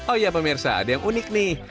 oh ya pemirsa ada yang unik nih